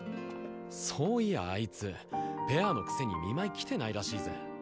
そういやあいつペアのくせに見舞い来てないらしいぜ。